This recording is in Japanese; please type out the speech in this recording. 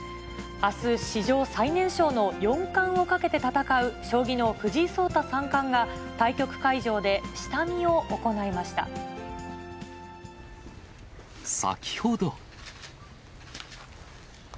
あす、史上最年少の四冠をかけて戦う将棋の藤井聡太三冠が、対局会場で先ほど。